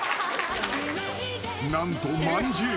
［何とまんじゅう。